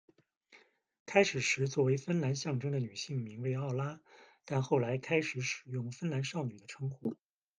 开始时作为芬兰象征的女性名为“奥拉”，但后来开始使用“芬兰少女”的称呼。